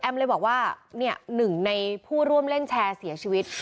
เลยบอกว่าเนี่ยหนึ่งในผู้ร่วมเล่นแชร์เสียชีวิต